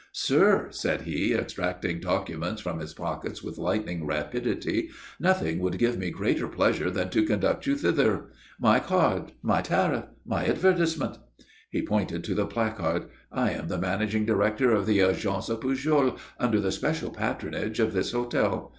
"Sir," said he, extracting documents from his pockets with lightning rapidity, "nothing would give me greater pleasure than to conduct you thither. My card. My tariff. My advertisement." He pointed to the placard. "I am the managing director of the Agence Pujol, under the special patronage of this hotel.